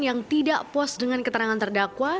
yang tidak puas dengan keterangan terdakwa